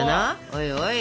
おいおい！